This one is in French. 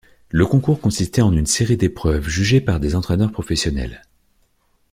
Le concours consistait en une série d'épreuves jugées par des entraîneurs professionnels.